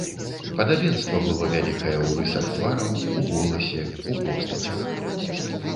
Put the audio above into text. Падабенства было вялікае ў рысах твараў, у голасе, у постацях.